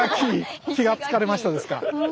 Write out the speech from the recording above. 気が付かれましたですか。